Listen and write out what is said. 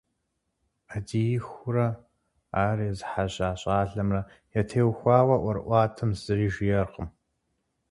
Ӏэдиихурэ ар езыхьэжьа щӏалэмрэ ятеухуауэ ӏуэрыӏуатэм зыри жиӏэркъым.